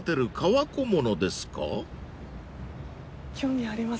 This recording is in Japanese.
興味あります。